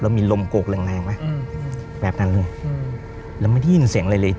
แล้วมีลมโกกแรงแรงไหมอืมแบบนั้นเลยอืมแล้วไม่ได้ยินเสียงอะไรเลย